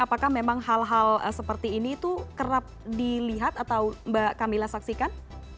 apakah memang hal hal seperti ini itu kerap dilihat atau mbak camilla saksikan